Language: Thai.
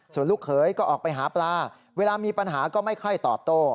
ส่วนลูกเขยก็ออกไปหาปลาเวลามีปัญหาก็ไม่ค่อยตอบโต้